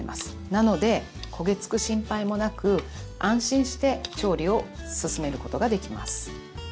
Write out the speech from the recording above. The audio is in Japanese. なのでこげつく心配もなく安心して調理を進めることができます。